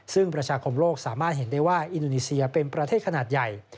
ซึ่งประชาคมโลกสามารถเห็นได้ว่าอินโดนีเซียเป็นประเทศขนาดใหญ่